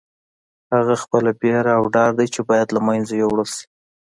هغه خپله بېره او ډار دی چې باید له منځه یوړل شي.